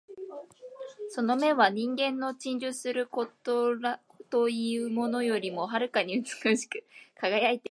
その眼は人間の珍重する琥珀というものよりも遥かに美しく輝いていた